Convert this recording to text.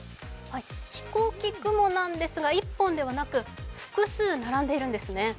飛行機雲なんですが１本ではなく複数、並んでいるんですね。